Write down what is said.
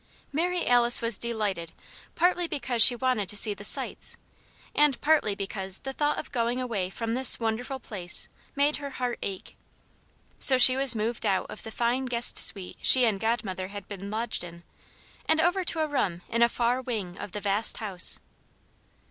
Mary Alice was delighted partly because she wanted to see the sights and partly because the thought of going away from this wonderful place made her heart ache. So she was moved out of the fine guest suite she and Godmother had been lodged in, and over to a room in a far wing of the vast house.